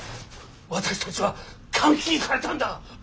私たちは監禁されたんだ。